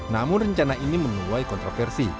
namun rencana ini menuai kontroversi